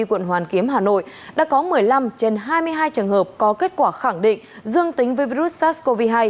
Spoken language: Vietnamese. quận hoàn kiếm hà nội đã có một mươi năm trên hai mươi hai trường hợp có kết quả khẳng định dương tính với virus sars cov hai